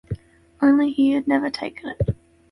Only he had never taken it.